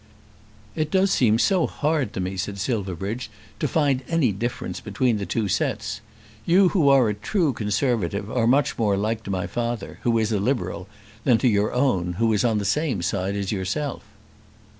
"It does seem so hard to me," said Silverbridge, "to find any difference between the two sets. You who are a true Conservative are much more like to my father, who is a Liberal, than to your own, who is on the same side as yourself."